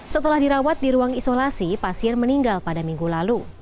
setelah dirawat di ruang isolasi pasien meninggal pada minggu lalu